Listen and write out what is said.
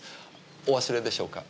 お忘れでしょうか？